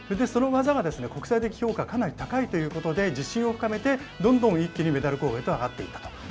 その技が国際的評価、かなり高いということで、自信を深めて、どんどん一気にメダル候補へと上がっていったと。